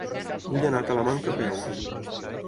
Vull anar a Talamanca a peu.